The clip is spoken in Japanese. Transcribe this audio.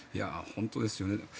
本当ですよね。